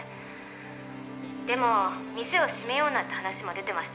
「でも店を閉めようなんて話も出てました」